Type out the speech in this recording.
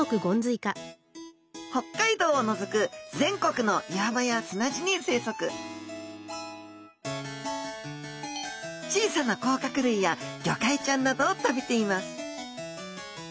北海道を除く全国の岩場や砂地に生息小さな甲殻類やギョカイちゃんなどを食べています